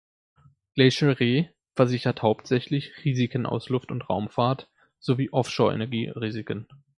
Glacier Re versichert hauptsächlich Risiken aus Luft- und Raumfahrt sowie Offshore-Energie-Risiken.